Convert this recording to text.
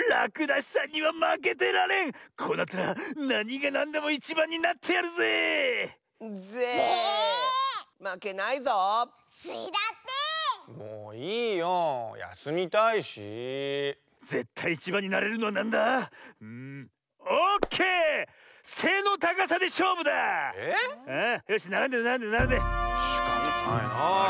しかたないなあ。